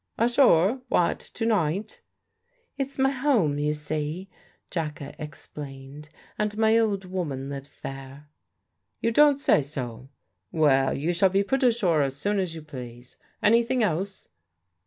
"Ashore? What, to night?" "It's my home, you see," Jacka explained; "and my old woman lives there." "You don't say so? Well, you shall be put ashore as soon as you please. Anything else?"